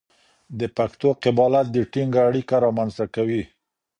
د پښتو قبالت د ټینګه اړیکه رامنځته کوي.